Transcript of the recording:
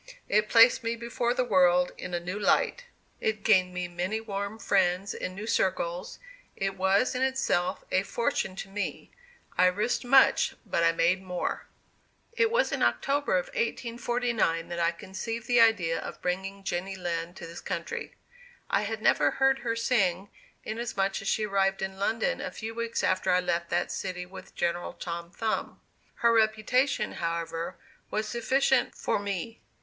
It placed me before the world in a new light; it gained me many warm friends in new circles; it was in itself a fortune to me I risked much but I made more. It was in October 1849, that I conceived the idea of bringing Jenny Lind to this country. I had never heard her sing, inasmuch as she arrived in London a few weeks after I left that city with General Tom Thumb. Her reputation, however, was sufficient for me.